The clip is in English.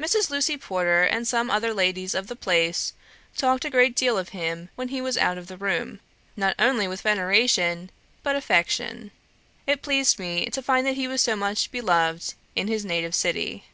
Mrs. Lucy Porter and some other ladies of the place talked a great deal of him when he was out of the room, not only with veneration but affection. It pleased me to find that he was so much beloved in his native city.